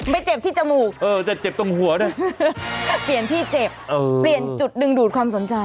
เจ็บที่จมูกเออแต่เจ็บตรงหัวนะแต่เปลี่ยนที่เจ็บเปลี่ยนจุดดึงดูดความสนใจ